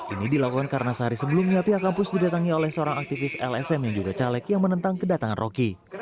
ini dilakukan karena sehari sebelumnya pihak kampus didatangi oleh seorang aktivis lsm yang juga caleg yang menentang kedatangan roky